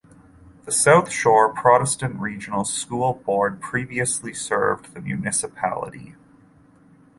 The South Shore Protestant Regional School Board previously served the municipality.